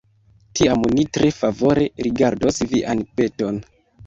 Tiam ni tre favore rigardos vian peton.